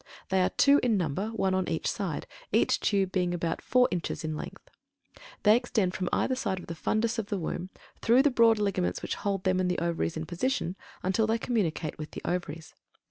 They are two in number, one on each side, each tube being about four inches in length. They extend from either side of the fundus of the womb, through the broad ligaments which hold them and the Ovaries in position until they communicate with the Ovaries.